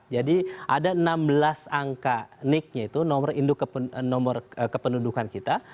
jadi ada enam belas angka niknya itu nomor kependudukan kita